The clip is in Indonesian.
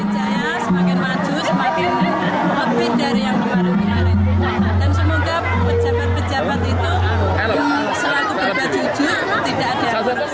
dan semoga pejabat pejabat itu selalu berbacu bacu tidak ada